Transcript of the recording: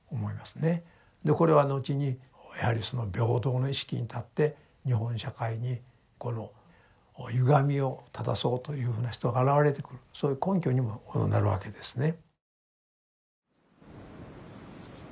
これは後にやはりその平等の意識に立って日本社会にこのゆがみを正そうというふうな人が現れてくるそういう根拠にもなるわけですね。